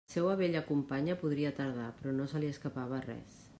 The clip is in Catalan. La seua vella companya podria tardar, però no se li escapava res.